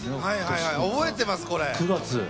覚えてます、これ。